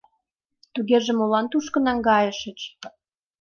— Тугеже молан тушко наҥгайышыч?